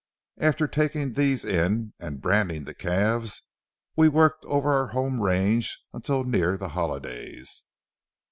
After taking these in and branding the calves, we worked over our home range until near the holidays.